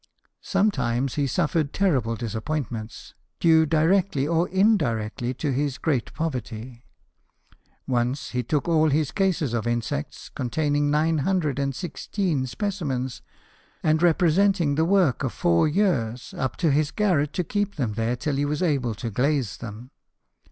Sometimes he suffered terrible disappoint ments, due directly or indirectly to his great poverty. Once, he took all his cases of insects, containing nine hundred and sixteen specimens, and representing the work of four years, up to his garret to keep them there till he was able to glaze them.